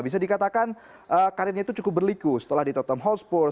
bisa dikatakan karirnya itu cukup berliku setelah di tottenham hotspur